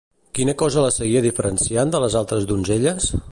Quina cosa la seguia diferenciant de les altres donzelles?